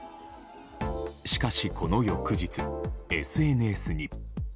しかし、この翌日ＳＮＳに。